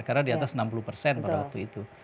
karena diatas enam puluh pada waktu itu